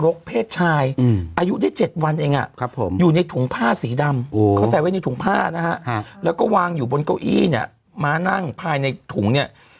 เพศชายอายุได้๗วันเองอยู่ในถุงผ้าสีดำเขาใส่ไว้ในถุงผ้านะฮะแล้วก็วางอยู่บนเก้าอี้เนี่ยมานั่งภายในถุงเนี่ย